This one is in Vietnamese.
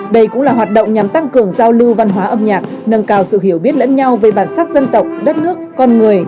đây cũng là hoạt động nhằm tăng cường giao lưu văn hóa âm nhạc nâng cao sự hiểu biết lẫn nhau về bản sắc dân tộc đất nước con người